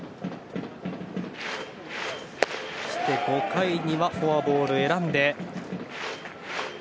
５回にはフォアボールを選んで。